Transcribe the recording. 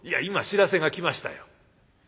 今知らせが来ましたよ。